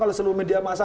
kalau seluruh media masa